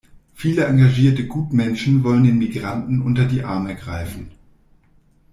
Viele engagierte Gutmenschen wollen den Migranten unter die Arme greifen.